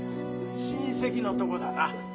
親戚のとこだな。